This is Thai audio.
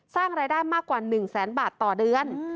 สร้างรายได้มากกว่า๑แสนบาทต่อเดือน